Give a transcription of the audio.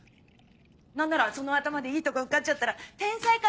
何ならその頭でいいとこ受かっちゃったら天才感